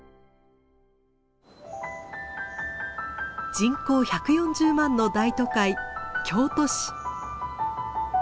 人口１４０万の大都会京都市。